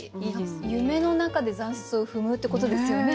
夢の中で残雪を踏むってことですよね？